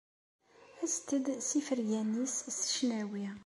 Aset-d s ifergan-is s ccnawi!